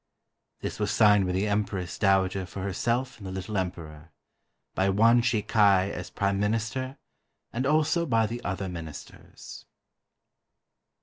This was signed by the Empress Dowager for herself and the little Emperor; by Yuan Shi kai as Prime Minis ter; and also by the other Ministers.